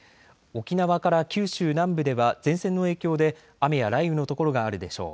沖縄から九州南部では前線の影響で雨や雷雨の所があるでしょう。